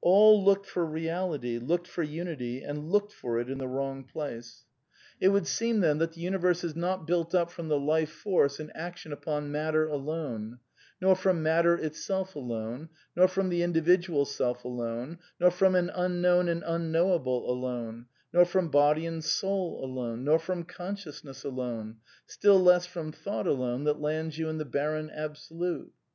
All looked for Reality, looked for Unity, and looked for it in the wrong place. 126 A DEFENCE OF IDEALISM It would seem, then, that the universe is not built up from the Life Force in action upon matter alone; nor from Matter itself alone; nor from the Individual Self alone ; nor from an Unknown and Unknowable alone ; nor f rodi Body and Soul alone ; nor from Consciousness alone ; still less from Thought alone that lands you in the barren Absolute.